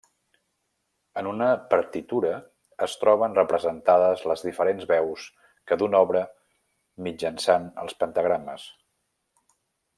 En una partitura es troben representades les diferents veus que d'una obra mitjançant els pentagrames.